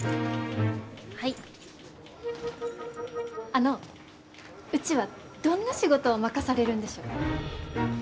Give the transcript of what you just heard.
あのうちはどんな仕事を任されるんでしょう？